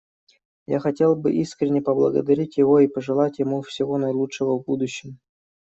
Я хотел бы искренне поблагодарить его и пожелать ему всего наилучшего в будущем.